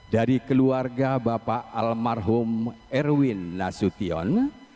dari keluarga bapak almarhum erwin nasution